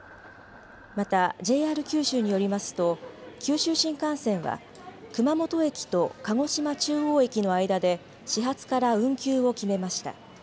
またＪＲ九州によりますと九州新幹線は熊本駅と鹿児島中央駅の間で始発から運休を決めました。